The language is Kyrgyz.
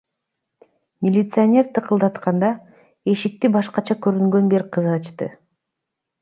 Милиционер тыкылдатканда, эшикти башкача көрүнгөн бир кыз ачты.